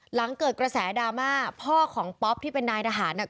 หลังเกิดกระแสดราม่าพ่อของป๊อปที่เป็นนายทหารน่ะ